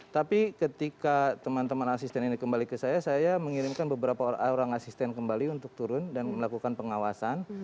tapi ketika teman teman asisten ini kembali ke saya saya mengirimkan beberapa orang asisten kembali untuk turun dan melakukan pengawasan